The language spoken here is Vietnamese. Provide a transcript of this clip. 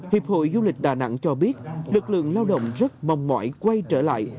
hiệp hội du lịch đà nẵng cho biết lực lượng lao động rất mong mỏi quay trở lại